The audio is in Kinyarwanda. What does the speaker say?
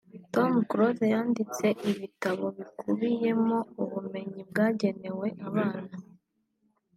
Tom Close yanditse ibitabo bikubiyemo ubumenyi bwagenewe abana